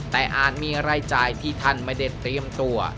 แต่อาจมีรายจ่ายที่ท่านไม่ได้เตรียมตัว